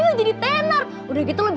saya masih masih